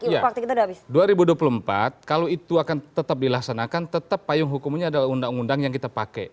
ya dua ribu dua puluh empat kalau itu akan tetap dilaksanakan tetap payung hukumnya adalah undang undang yang kita pakai